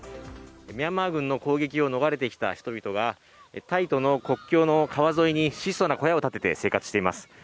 ミャンマー軍の攻撃を逃れてきた人々がタイとの国境の川沿いに質素な小屋を立てて生活しています。